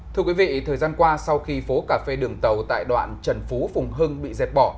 thưa quý vị thời gian qua sau khi phố cà phê đường tàu tại đoạn trần phú phùng hưng bị dẹp bỏ